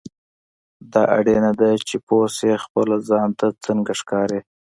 دا اړینه ده چې پوه شې خپل ځان ته څنګه ښکارې.